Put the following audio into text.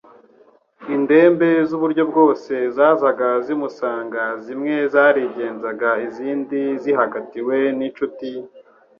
indembe z'uburyo bwose zazaga zimusanga zimwe zarigenzaga izindi zihagatiwe n'inshuti,